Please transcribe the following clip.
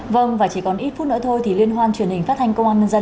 vâng và chỉ còn ít phút nữa thôi thì liên hoan truyền hình phát thanh công an nhân dân